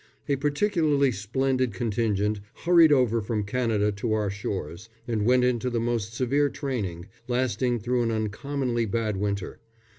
A particularly splendid contingent hurried over from Canada to our shores, and went into the most severe training, lasting through an uncommonly bad winter.